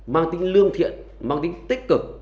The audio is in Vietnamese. mang tính lương thiện mang tính tích cực